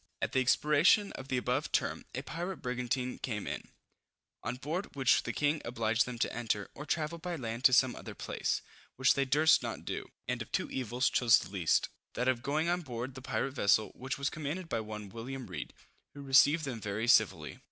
At the expiration of the above term, a pirate brigantine came in, on board which the king obliged them to enter, or travel by land to some other place, which they durst not do; and of two evils chose the least, that of going on board the pirate vessel, which was commanded by one William Read, who received them very civilly.